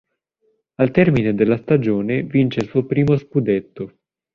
Al termine della stagione vince il suo primo Scudetto.